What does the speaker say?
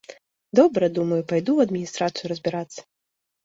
Добра, думаю, пайду ў адміністрацыю разбірацца.